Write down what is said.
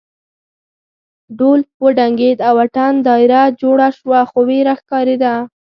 ډول وډنګېد او اتڼ دایره جوړه شوه خو وېره ښکارېده.